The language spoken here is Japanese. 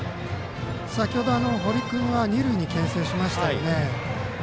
先ほど堀君は二塁にけん制しましたよね。